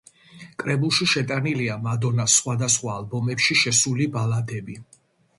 კრებულში შეტანილია მადონას სხვადასხვა ალბომებში შესული ბალადები.